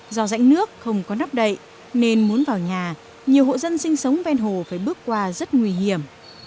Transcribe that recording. do rãnh nước không có nắp đậy nên muốn vào nhà nhiều hộ dân sinh sống ven hồ phải bước qua rất nguy hiểm